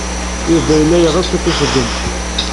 Yuba yella yeɣs ad t-iṣeggem.